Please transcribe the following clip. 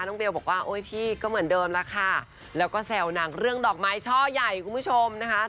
เบลบอกว่าโอ้ยพี่ก็เหมือนเดิมแล้วค่ะแล้วก็แซวหนังเรื่องดอกไม้ช่อใหญ่คุณผู้ชมนะคะ